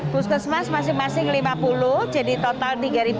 puskesmas masing masing lima puluh jadi total tiga satu ratus lima puluh